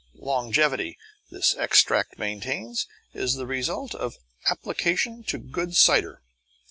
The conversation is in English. Longevity, this extract maintains, is the result of application to good cider.